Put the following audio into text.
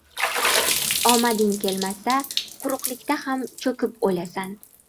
• Omading kelmasa, quruqlikda ham cho‘kib o‘lasan.